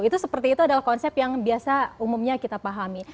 itu seperti itu adalah konsep yang biasa umumnya kita pahami